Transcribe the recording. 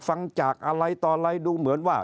ฟังจากอะไรต่ออะไรดูเหมือนว่า